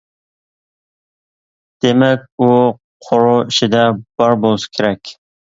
دېمەك ئۇ قورۇ ئىچىدە بار بولسا كېرەك.